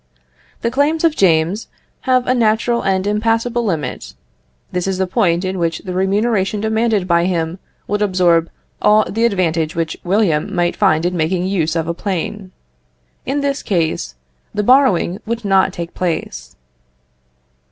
The claims of James have a natural and impassable limit. This is the point in which the remuneration demanded by him would absorb all the advantage which William might find in making use of a plane. In this case, the borrowing would not take place.